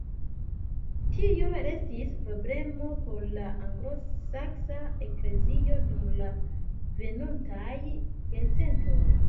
Tio restis problemo por la anglosaksa eklezio dum la venontaj jarcentoj.